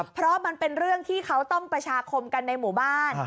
เพราะมันเป็นเรื่องที่เขาต้องประชาคมกันในหมู่บ้าน